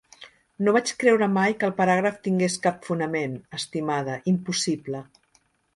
No vaig creure mai que el paràgraf tingués cap fonament, estimada, impossible.